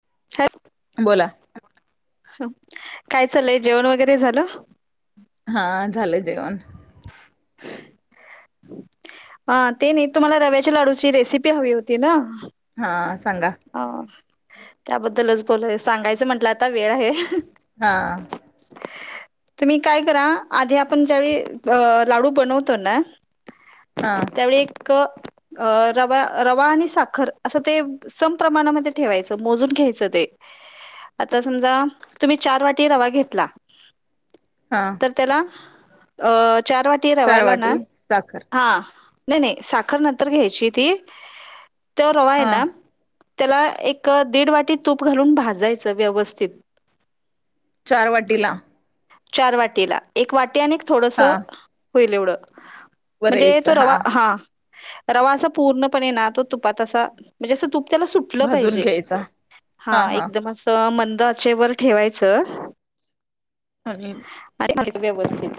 [unintelligible] बोला. काय चाललयं, जेवण वगैरे झालं? हा झालं जेवण. अ ते नाही तुम्हाला रव्याच्या लाडूची रेसिपी हवी होती ना? हा सांगा? अ त्याबद्दलच बोलाय सांगायचं म्हंटलं आता वेळ आहे. हा. तुम्ही काय करा आधी आपण ज्यावेळी लाडू बनवतो ना हा त्यावेळी एक रवा रवा आणि साखर असं ते सम प्रमाणामध्ये ठेवायच मोजून घ्यायचं ते. आता समजा तुम्ही चार वाटी रवा घेतला. हा तर त्याला अ चार वाटी चार रव्याला ना वाटी साखर हा नाही नाही साखर नंतर घ्यायची ती, तो रवा आहे हा ना. त्याला एक दीड वाटी तूप घालून भाजायचं व्यवस्थित. चार वाटीला? चार वाटीला एक वाटी आणि थोडस हा होईल एवढं. म्हणजे तो रवा हा रवा असा पूर्णपणे ना तो तुपात म्हणजे अस तूप त्याला सुटलं भाजून पाहिजे. घ्यायचा हा एकदम असं मं द अचेवर ठेवायचं. आणि आणि व्यवस्थित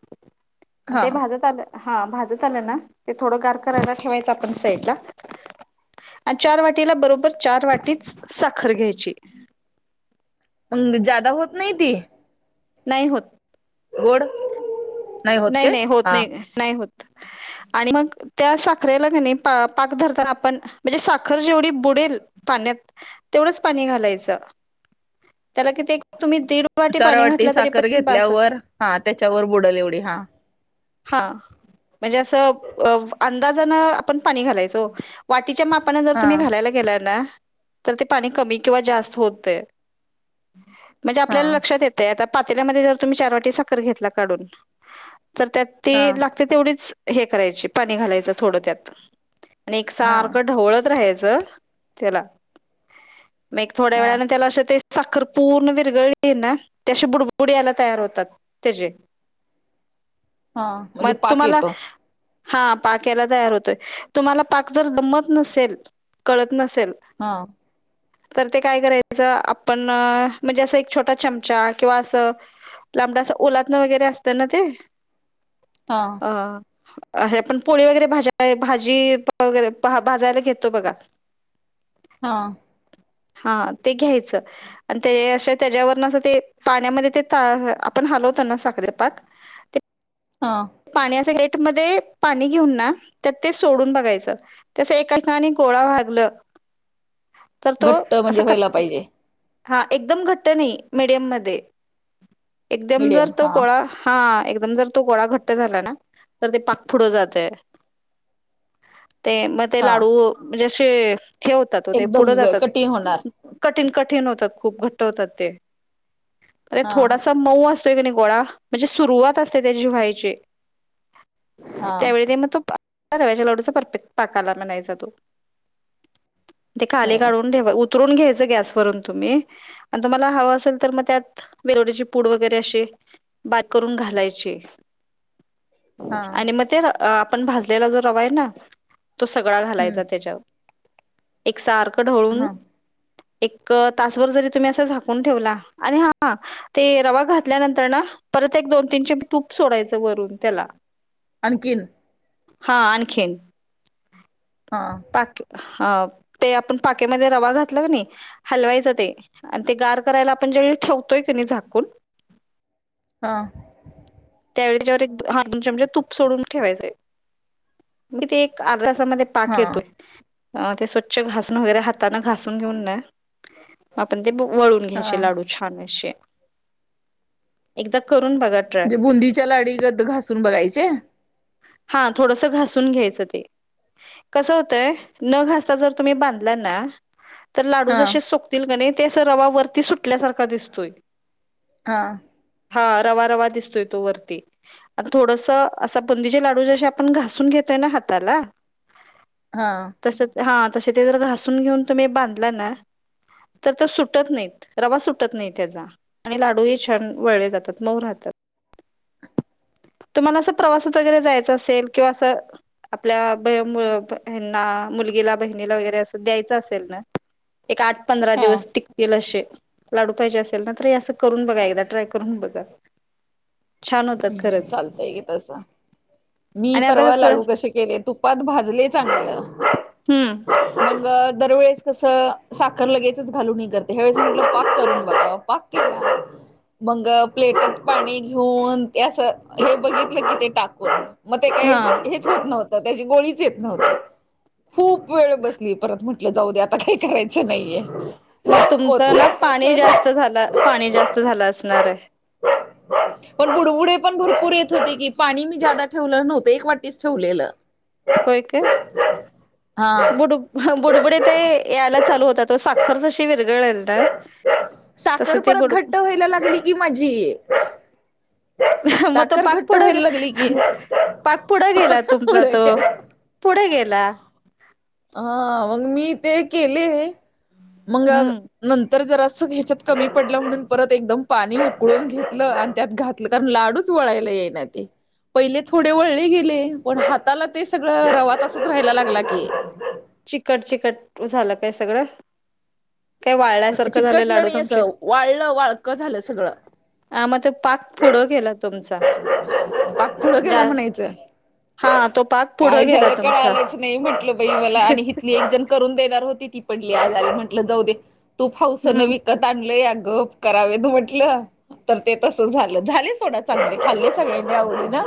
[inaudible] हा ते भाजत आलं हा भाजत आलं ना ते थोडं गार करायला ठेवायचं आपण साईड ला. आणि चार वाटीला बरोबर चार वाटीच साखर घ्यायची. मग जादा होत नाही ती? नाही होत गोड. होत नाही काय नाही होत हा नाही नाही होत. आणि मग त्या साखरेला कणी पाक धरताना आपण म्हणजे साखर जेवढी बुडेल पा ण्यात तेवढंच पाणी घालायचं त्याला किती तुम्ही दीड वाटी चार पाणी घातलं तरी साखर पण बास होत. घेतल्यावर हा त्याच्यावर बुडल एवढी हा हा म्हणजे अस अंदाजान आपण पाणी घालायच ओ. वा टी च्या मापाने जर हा तुम्ही घालायला गेला ना तर ते पाणी कमी किंवा जास्त होत म्हणजे हा आपल्याला लक्षात येतय आता पातल्यामध्ये जर तुम्ही चार वाटी साखर घेतला काढून, तर त्या हा ती लागते तेवढीच हे करायचे पाणी घालायच थोडं त्यात आणि एक हा सारखं ढवळत राहायचं. च त्याला मग एक थोड्या हा वेळाने असं त साखरपूर्ण विरगळी ना त्याशी बुडबुडी यायला तयार होतात त्याचे हा म्हणजे मग पाक तुम्हाला येतो हा पाक यायला तयार होतोय. तुम्हाला पाक जर जमत नसेल कळ त नसेल हा तर ते काय करायचं आपण म्हणजे असं एक छोटा चमचा किंवा असं ओलातनं वगैरे असतं ना ते हा. अे पण पोळी वगैरे भाज, भाजी वगैरे भाजायला घेतो बघा. हा. हा ते घ्यायचं आणि त्याच्यावरून ते पाण्यामध्ये आपण हलवतो ना साखरेचा पाक ते हा पाणी असं [inaudible] मध्ये पाणी घेऊन ना त्यात ते सोडून बघायचं त्यास एका ठिकाणी गोळा व्हायला लागलं तर तो घट्ट म्हणजे असं व्हायला कच् पाहिजे हा एकदम घट्ट नाही मिडियम मध्ये एकदम जर मिडियम तो हा गोळा हा एकदम जर तो गोळा घट्ट झाला ना तर ते पाक पुढ जातय. ते मग ते हा लाडू म्हणजे असे हे होतात ओ. ते एकदम पुढे जातात कठीण होणार कठीण क खूप घट होतात हा थोड मउ असं गोड म्हणजे सुरुवात असते त्याची व्हायची. हा त्यावेळी ते मग त. रव्याच्या लाडूचा परफेक् पाकाला म्हनायचा तो. ते खाले होय काढून ठेवा उतरून घ्यायचं गॅसवररून तुम्ही आणि तुम्हाला हवं असेल तर मग त्यात बेलवट्याची पूड वगैरे अशी बात करून घालायची. हा आणि मग ते आपण भाजलेला जो रवा आहे ना तो सगळा हम्म घालायचा त्याच्यावर एक सारखं ढवळून हा एक तास भर जरी तुम्ही असं झाकून ठेवला आणि हा ते रवा घातल्यानंतर ना परत एक दोन तीन तूप सोडायचं वरून त्याला आणखीन. हा आणखीन. हा पाक अ ते आपण पाकेमध्ये रवा घातला नाही हलवायचं ते आणि ते गार करायला आपण जेळी ठेवतोय क नाही झाकून हा. त्यावे त्यावर म्हणजे तूप सोडून ठेवायचं मी ते एक अर्धा पाक हा येतोय. हा अ ते स्वच्छ घासून वगैरे हाताने घासून घेऊन न आपण ते वळून घ्यायचे लाडू छान असे एकदा करून बघा ट्राय च्याला अडीगत घासून बघायचे. हा थोडस घासून घ्यायचं ते. कस होतंय न घासता जर तुम्ही बांधला ना तर लाडू हा जसे सुोकतील का नाही तेस रवावररती सुटल्यासारखा दिसतोय हा. हा रवा रवा दिसतोय तो वरती आणि थोडस असा बुंदीजे लाडू जस जस घासून घेतोय ना हाताला हा तस हा त ते जर घासून घेऊन तुम्ही बांधला ना तर तो सुटत नाहीत रवा सुटत नाही त्याचा आणि लाडू हे छान वळले जातात मऊ राहत. [unintelligible] तुम्हाला असं प्रवासात वगैरे जायचं असेल किंवा असं आपल्या बना मुलगीला बहिणीला वगैरे असं द्यायचं असेल ना एक आठ पंधरा हा दिवस टिकतील अशे लाडू पाहिजे असेल ना तर असं करून बघा एकदा ट्राय करून बघा छान हो हम्म चालतय की तस. मी आणि आता परवा कसं लाडू कसे केले तुपात भाजले चांगलं हम्म मग दरवेळेस कसं साखर लगेचच घालून करत ह्या वेळेस म पाक करून बघा पाक केला मग प्लेटीत पाणी घेऊन असं हे बघितलं की ते टाकून मग ते काही हा हेच यत नव्हतं त्याची गोळीच येत नव्हत खूप वेळ बसली परत म्हण टल जाऊ दे आता काही करायचं नाहीये. मग तुमचं ना होत पाणी जास्त झालं पाणी जास्त झालं असणार आहे. पण बुडबुडे पण भरपूर येत होते की पाणी मी जादा ठेवलं नव्हतं एक वाटीच ठेवलेलं. होय काय हा बुड बुडबुडे ते यायला चालू होतात साखर जशी विरगळ साखर परत घट्ट व्हायला लागली की माझी. मग तो साखर पाक घट्ट पुुढं व्हायला लागली की पाक पुढं गेला तुमचा पुढे तो पुढ गेला. हा मग मी ते केले मंग हम्म नंतर तर जरा असं घ्याच्यात कमी पडलं म्हणून परत एकदम पाणी उकळून घेतलं आणि त्यात घातलं कारण लाडूच वळायला येई ना ते पहिले थोडे वळले गेले पण हाताला ते सगळं रवात साच राहायला लागला की चिकट, चिकट झालं काय सगळं काय वाळल्यासारखं झालं लाडू चिकटलणी तुमचे असं वाळलं वाळक झालं सगळं ह मग ते पाक पुढं केेला तुमचा पाक पुढं जा गेलं म्हणायचं हा तो पाक काय पुढं गेला झालं तुमचा कळालंच नाही म्हंटलं बाई मला आणि इथली जण करून देणार होती ती पडली आजारी म्हटलं जाऊदे तूप हौसन हम्म विकत आणलय गप करावे तू म्हटलं तर ते तसं झालं झाले सोडा चांगलं चा सगळ्यां आवडी ना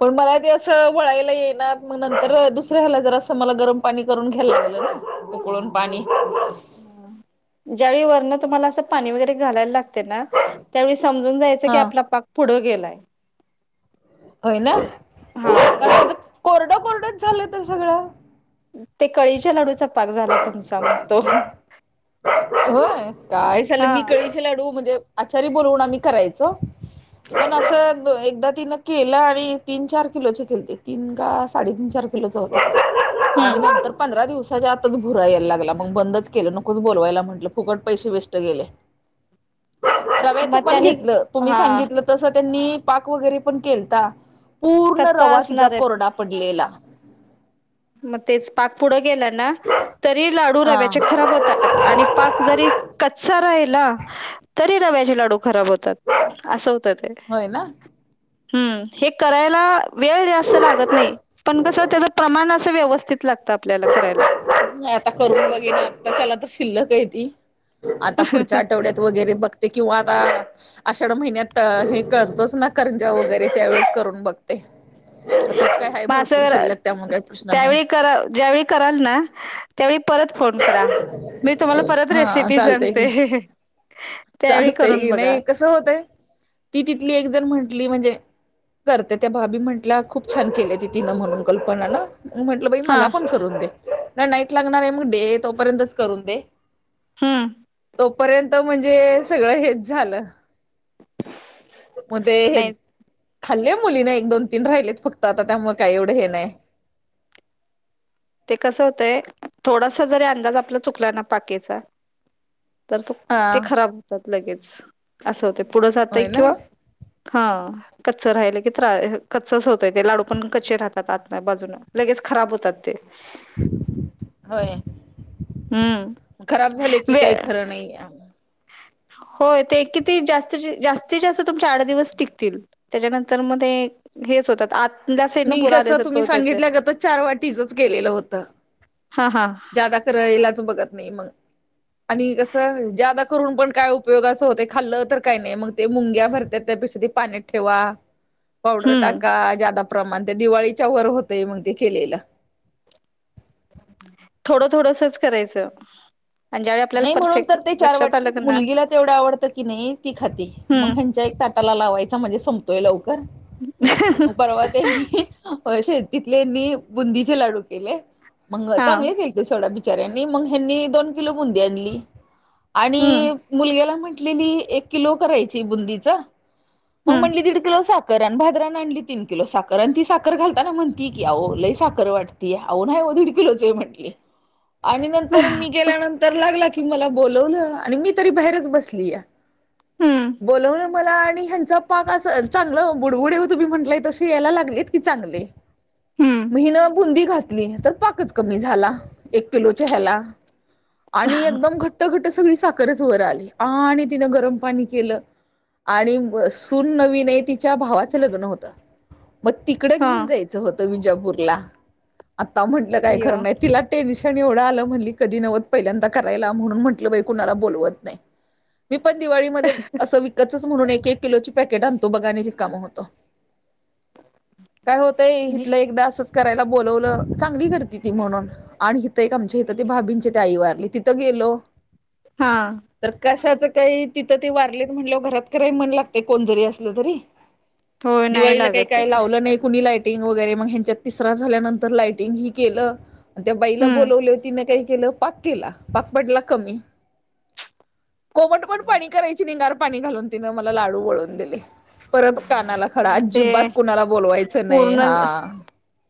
पण मला ते अस वयला येणार मग नंतर दुसऱ्या ह्याला ज अस मला गरम पाणी करून घ्यायला उकळून पाणी ज्यावेळी वरनं तुम्हाला असं पाणी वगैरे घालायला लागते ना त्यावेळी समजून जायचं की हा आपला पाक पुढं गेलाय होय ना हा र- कारण कोरडं कोरडंच झालं तर सगळं ते कळीच्या लाडूचा पाक झाला तुमचा मग तो हो काय झालं हा मी कळीचे लाडू म्हणजे आचारी्य बोलवून आम्ही करायचो पण अस एकदा तिन केलं आणि तीन चार किलो केते तीन का साडेतीन चार किलोच होत आणि हम्म नंतर पंधरा दिवसाच्या आताच भुरा यायला लागला मग बंदच केलं नकोच बोलवायला म्हण म्हटलं फुकट पैसे वेस्ट गेले रव्याचे मग पण त्याने घेतलं तुम्ही हा सांगितलं तसं त्यांनी पाक वगैरे पण केलता पूर्ण कच्चा रवा तिचा असणार आहे कोरडा पडलेला मग तेच पाक पुढं गेला तरी लाडू हा रव्याचे खराब होतात आणि पाक जरी कच्चा राहि तरी रव्याचे लाडू खराब होतात असं होत ते होय ना हम्म हे करायला वेळ जास्त लागत नाही पण कसं त्याच प्रमाण असं व्यवस्थित लागतं आपल्याला करायला आता करून बघे ना आताच्याला तर किल्लक त आता पुढच्या आठवड्यात वगरे बघ ते किंवा आता आषाढ महिन्यात हे कळतच ना कंजा वगैरे त्यावेेळेस करून बघते त्यात काय आहे मा भरपूर शिल्लक त्यामुळे काही प्रश्न नाही त्यावेळी क ज्यावेळी कराल ना त्यावेळी परत फोन करा मी तुम्हाला परत हा रेसिपी चालतय की सांगते त्यावेळी करून चालतय बघा नाही कस होतंय ती तिथली एक जण म्हण म्हणजे करते त्या भाबी म्हंटल्या खूप छान केले त तिनं म्हणून कल्पना ना मग म्हंटलं बाई हा मला पण करून दे नाही नाईट लागणार आहे मग डे तोपर्यंतच करून दे हम तोपर्यंत म्हणजे सगळं हेच झालं म ते हे नाही खाल्ल्या मुलीना एक दोन तीन राहिलेत फक्त आता तत्यामुळं काही एवढं हे नाही ते कसं होतय थोडासा जरी अंदाज आपला चुकला ना पाकीचा तर तो हा. ते खराब होतात लगेच असं होते पुढं जातय होय ना किंवा हा कच्च राहिलं की त्रास कच्च होतय ते लाडू पण कच्चे राहतात आतन बाजून लगेच खराब होतात ते होय हम्म खराब झाले कि काही खरं नाही आ ह होय ते किती जास् जास्तीत जास्त तुमचे आठ दिवस टिकतील त्याच्यानंतर मध्ये हेच होतात आज मी कसं तुम्ही सांगितल्या ग तर चार वाटीचच गेलेलं होत हा हा जादा कयलाच बघत नाही मग आणि कसं ज्यादा करून पण काय उपयोगा असं होते खाल्लं तर काय नाही मग ते मुंग्या भरतात त्यापेक्षा पा ठेवा पावडर हम्म टाका प्रमाण त्या दिवाळीच्या वर होतय मग ते केलेलं थोडं थोडसच करायचं. आणि ज्यावेळी आपल्याला नाही म्हणून परफेक्ट तर ते चार वाट लक्षात आलं क ना मुलगीला तेवढं आवडतं की नाही, ती खाती मग हम्म ह्यांच्या एक ताटाला लावायचं. म्हणजे संपतोय लवकर मग परवा त्यांची शेतीतले मी बुंदीचे लाडू केले मग हा चांगलेच केलते सोडामी चरणी मग ह्यानी दोन किलो बुंदी आणली आणि हम्म मुलग्याला म्हण लेली एक किलो करायची बुंदीच, मग हम्म म्हणाली दीड किलो सा खर भागराउन आणली तीन किलो साखर, आन ती साखर घाताना म्हणती की आवो लई साखर वाटती आवो न्हाई हो दीड किलोच म्हटले. [inaudible] आणि नंतर मी गेल्यानंतर लागला की मला बोलवलं आणि मी तरी बाहेरच बसलीया. हम्म बोलवलं मला आणि ह्यांचा पाक अस चांगलं बुडबुड येव तुम्ही म्हटलांय तसे यायला लागलेत की चांगले. हम्म म हिनं बुंदी घातली तर पाकच कमी झाला, एक किलोच्या ह्याला आणि एकदम घट्ट घट्ट सगळी साखरच वर आली आणि तिनं गरम पाणी केलं आणि व सून नवीन हे तिच्या भावाचं लग्न होतं. मग तिकडं हा घेऊन जायचं होतं विजापूरला. आता म्हंटलं काय अय्यो खरं नाही तिला टेनिस ह्यानी एवढं आलं म्हणली कधी नव्हद पहिल्यांदा करायला म्हणून म्हंटलं बाई कुणाला बोलवत नाही. मी पण दिवाळीमध्ये असं विकतचच म्हणून एक एक किलोची पॅकेट आणतो बघा आणि रिकामे होतो. काय होतंय मी इथलं एकदा असच करायला बोलावलं चांगली करती ती म्हणून, आणि हिथं एक आमची हिथं भाभींचे आई वारली तिथं गेलो हा तर कशाच काही तिथं ते वारलेत म्हणल्यावर घरात कराया मन लागतय कोण जरी असलं तरी?. होय नाही दिवाळीला काही लागत काय आहे लावलं नाही कुणी लाई टिंग वगैरे म ह्यांच्यात तिसरा झाल्यानंतर लाईटिंग ही केलं त्या बाईला हम्म बोलावलं तिन काही केलं पाक केला पाक पडला कमी कोमट पण पाणी करायची निंगार पाणी घालून तिनं मला लाडू वळवून दिले. परत कानाला खडा ते अजिबात कुणाला बोलवायचं नाही पूर्ण हा.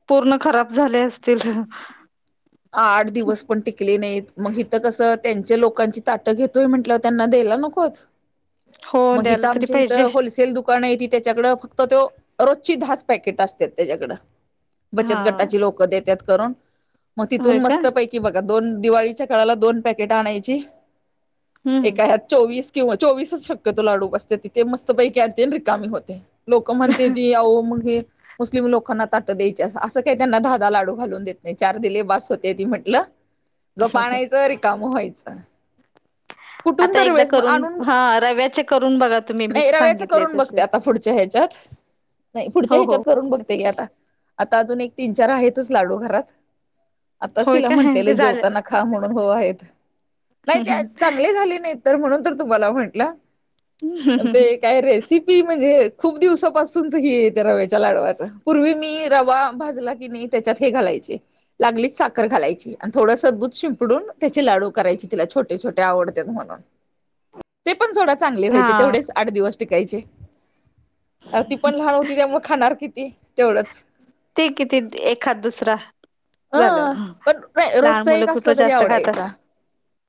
पूर्ण खराब झाले असतील. आठ दिवस पण टिकले नाहीत. मग हिथं कसं त्यांच्या लोकांची ताटं घेतोय म्हंटलं त्यांना द्यायला नकोत? हो मग द्यायला हिथं तरी आमच्या हिथं पाहिजे होलसेल दु कानं ती त्याच्याकड फक्त तो रोजची दहाच पॅकेट असत्यात त्याच्याकड. हा बचत गटाची लोकं देतात करून मग होय तिथून का मस्तपैकी बघ दोन दिवाळीच्या काळाला दोन पॅकेट आणायची हम्म एका ह्यात चोवीस किंवा चोवीसच शक्यतो लाडू बसते तिथे मस्तपैकी आणते अन रिकामी होते. लोक म्हणते ती अहो मग हे मुस्लिम लोकांना ताट द्यायची असं काही त्यांना धाधा लाडू घालून देत नाही चार त दिले बस होते ती म्हटलं गप आणायचं रिकाम व्हायच. कुठून आता तर एकदा वेळेस मग करून आणून हा रव्याचे करून बघा तुम्ही मी ए रव्याच सांगितले करून तसे बघते आता पुढच्या ह्या च्यात नाही पुढच्या हो ह्याच्यात हो करून बघते की नक्की आता. आता अजून एक तीन चार आहेतच लाडू घरात आताच होय तिला काय ते म्हटलेलं झालं जेवताना खा म्हणून हो आहेत, नाही हम्म ते हम्म. चांगले झाले नाहीत. तर म्हणून तर तुम्हाला म्हटलं पण ते काय रेसि पी म्हणजे खूप दिवसापासूनच हे येते रव्याच्या लाडवाच पूर्वी मी रवा भाजला की नाही, त्याच्यात हे घालायचे लागलीच साखर घालायची थोडस दूध शिंपडून त्याचे लाडू करायची तिला छोटे- छोट टे आवडत्यात म्हणून ते पण सोडा चांगले व्हायचे हा तेवढेच आठ दिवस टिकायचे अ ती पण लहान होती त्यामुळ खाणार किती तेवढंच. ते कितीद एखाद दुसरा. अ झालं पण नाही लहान रोजचा मुलं एक कुठ असला तरी जास्त खातात? आवडायचा.